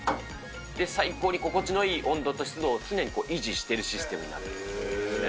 最高に心地のいい温度と湿度を常に維持してるシステムになってるんですね。